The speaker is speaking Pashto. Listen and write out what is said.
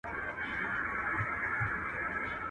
پر مردار بوټي سپی هم بولي نه کوي.